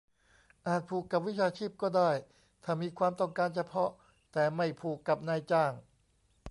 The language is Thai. อาจผูกกับวิชาชีพก็ได้ ถ้ามีความต้องการเฉพาะ แต่ไม่ผูกกับนายจ้าง